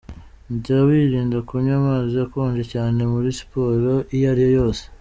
Jya wirinda kunywa amazi akonje cyane uri muri siporo iyo ariyo yose.